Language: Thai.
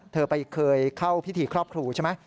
เธอไปเคยเข้าพิธีครอบครูใช่ไหม